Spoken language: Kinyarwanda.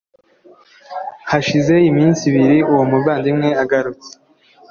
Hashize iminsi ibiri uwo muvandimwe agarutse